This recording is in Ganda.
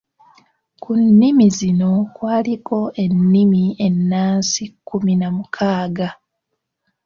Ku nnimi zino kwaliko ennimi ennansi kkumi na mukaaga.